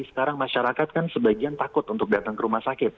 sekarang masyarakat kan sebagian takut untuk datang ke rumah sakit